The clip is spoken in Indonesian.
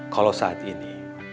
kalau saat ini